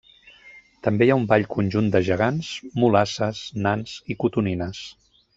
També hi ha un ball conjunt de Gegants, Mulasses, nans i cotonines.